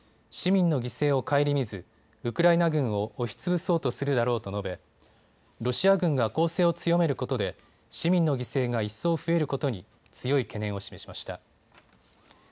市民の犠牲を顧みずウクライナ軍を押しつぶそうとするだろうと述べ、ロシア軍が攻勢を強めることで市民の犠牲が一層増えることに強い懸念を示しました。